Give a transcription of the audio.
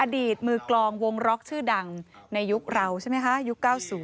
อดีตมือกลองวงล็อกชื่อดังในยุคเราใช่ไหมคะยุค๙๐